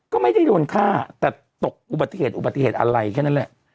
ก็ไม่ได้โดนฆ่าแต่ตกอุบัติเหตุอุบัติเหตุอะไรแค่นั้นแหละ